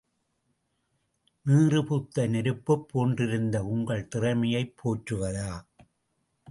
நீறுபூத்த நெருப்புப் போன்றிருந்த உங்கள் திறமையைப் போற்றுவதா?